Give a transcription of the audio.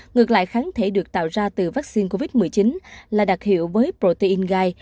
ngược lại kháng thể được tạo ra từ vaccine covid một mươi chín là đặc hiệu với protein gai